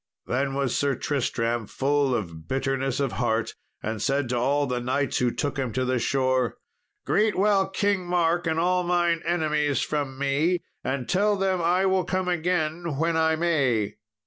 Then was Sir Tristram full of bitterness of heart, and said to all the knights who took him to the shore, "Greet well King Mark and all mine enemies from me, and tell them I will come again when I may.